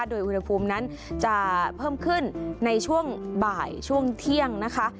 โดยอุณหภูมินั้นจะเพิ่มขึ้นในช่วงบ่ายช่วงเที่ยงนะคะ